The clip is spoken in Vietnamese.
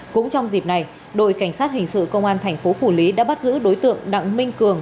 cũng trong dịp này đội cảnh sát hình sự công an thành phố phủ lý đã bắt giữ đối tượng đặng minh cường